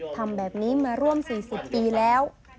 ทำแบบนี้มาร่วม๔๐ปีแล้ว